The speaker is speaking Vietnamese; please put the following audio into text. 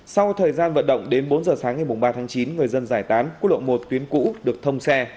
sau thời gian vận động đến bốn giờ sáng ngày ba tháng chín người dân giải tán quốc lộ một tuyến cũ được thông xe